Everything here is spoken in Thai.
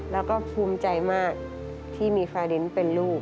แล้วก็ภูมิใจมากที่มีฟาดินเป็นลูก